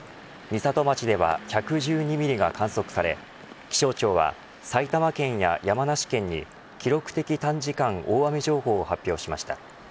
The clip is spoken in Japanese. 美里町では１１２ミリが観測され気象庁は埼玉県や山梨県に記録的短時間大雨情報を発表しました。